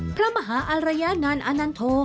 พระมหาอารยานานอานันโท